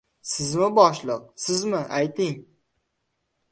— Sizmi, boshliq?! Sizmi? Ayting?